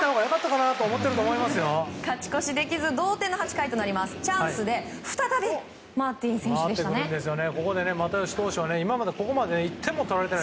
勝ち越しならず同点の８回、チャンスで再びマーティン選手でした。